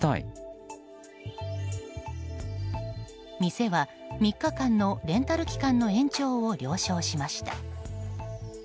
店は、３日間のレンタル期間の延長を了承しました。